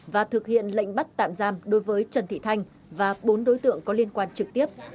và thực hiện lệnh bắt tạm giam đối với trần thị thanh và bốn đối tượng có liên quan trực tiếp